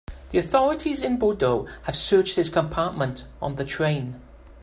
The authorities in Bordeaux have searched his compartment on the train.